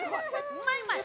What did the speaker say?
うまいうまい。